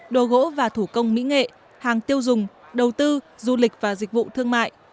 đồ gỗ và thủ công mỹ nghệ hàng tiêu dùng đầu tư du lịch và dịch vụ thương mại